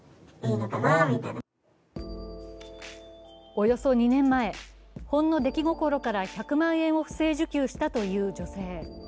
およそ２年前、ほんの出来心から１００万円を不正受給したという助成。